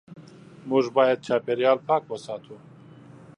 موږ باید چاپېریال پاک وساتو.